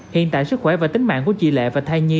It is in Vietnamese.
hiện tại sức khỏe và tính mạng của chị lệ và thai nhi